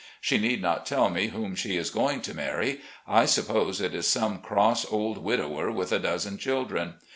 She need not tell me whom she is going to marry. I suppose it is some cross old widower, with a dozen children.